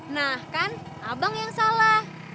nah kan abang yang salah